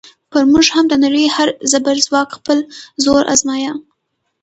پر موږ هم د نړۍ هر زبرځواک خپل زور ازمایه.